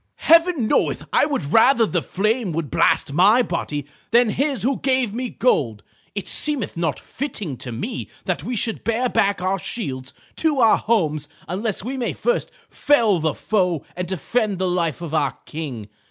"Heaven knoweth I would rather the flame would blast my body than his who gave me gold. It seemeth not fitting to me that we should bear back our shields to our homes unless we may first fell the foe and defend the life of our King.